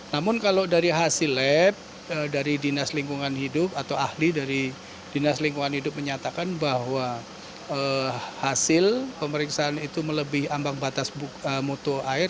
namun kalau dari hasil lab dari dinas lingkungan hidup atau ahli dari dinas lingkungan hidup menyatakan bahwa hasil pemeriksaan itu melebih ambang batas mutu air